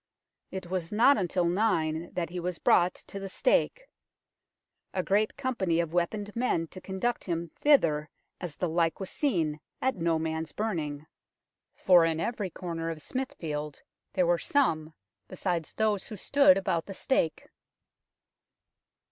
It was not until nine that he was brought to the stake, " a great company of weaponed men to conduct him thither as the like was seen at no man's burning, for in every corner of Smithfield there were some, besides those who stood about the stake."